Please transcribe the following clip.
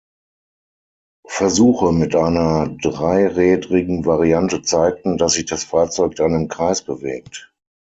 Versuche mit einer dreirädrigen Variante zeigten, dass sich das Fahrzeug dann im Kreis bewegt.